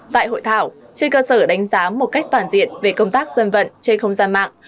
tại hội thảo trên cơ sở đánh giá một cách toàn diện về công tác dân vận trên không gian mạng